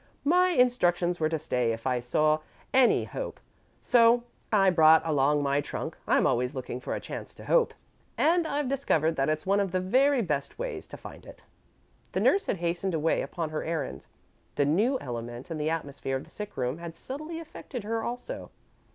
"My instructions were to stay if I saw any hope, so I brought along my trunk. I'm always looking for a chance to hope, and I've discovered that it's one of the very best ways to find it." The nurse had hastened away upon her errand. The new element in the atmosphere of the sick room had subtly affected her, also.